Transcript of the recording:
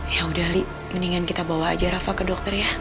ya udah li mendingan kita bawa aja rafa ke dokter ya